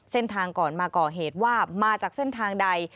เส้นทางก่อนมาก่อเหตุว่ามาจากเส้นทางใด